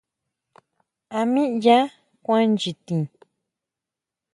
¿A mí yaa kuan nyi ti?